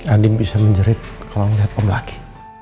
anding bisa menjerit kalau melihat pak lagi